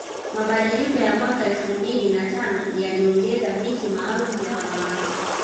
Mabadiliko ya mwaka elfu mbili na tano yaliongeza viti maalum vya wanawake